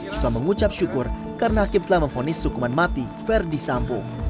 juga mengucap syukur karena hakim telah memfonis hukuman mati verdi sambo